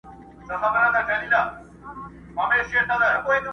پلونو د تڼاکو مي بیابان راسره وژړل!